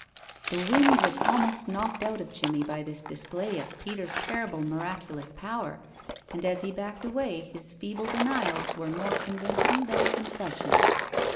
The wind was almost knocked out of Jimmie by this display of Peter's terrible miraculous power, and as he backed away his feeble denials were more convincing than a confession.